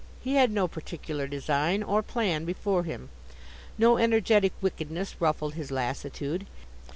He had no particular design or plan before him: no energetic wickedness ruffled his lassitude.